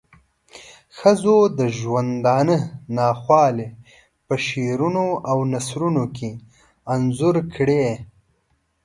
ښځو د ژوندانه ناخوالی په شعرونو او نثرونو کې انځور کړې.